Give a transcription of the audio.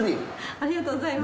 ありがとうございます。